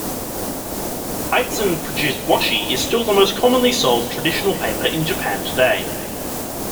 Echizen-produced Washi is still the most commonly sold traditional paper in Japan today.